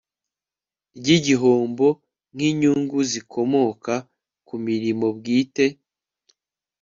ry igihombo nk inyungu zikomoka ku mirimo bwite